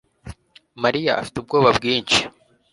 Mariya afite ubwoba bwinshi